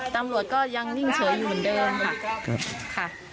ตำรวจก็ยังนิ่งเฉยอยู่เหมือนเดิมค่ะ